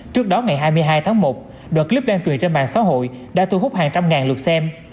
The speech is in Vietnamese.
trước đó ngày hai mươi hai tháng một đợt clip lan truyền trên mạng xã hội đã thu hút hàng trăm ngàn lượt xem